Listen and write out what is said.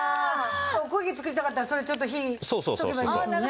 おこげ作りたかったらそれちょっと火しておけばいいんですもんね。